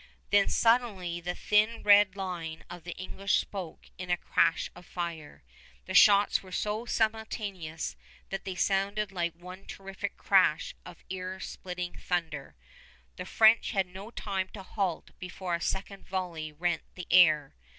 Then suddenly the thin red line of the English spoke in a crash of fire. The shots were so simultaneous that they sounded like one terrific crash of ear splitting thunder. The French had no time to halt before a second volley rent the air.